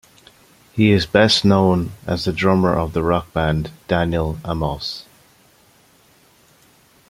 He is best known as the drummer of the rock band Daniel Amos.